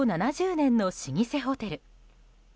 ７０年の老舗ホテル。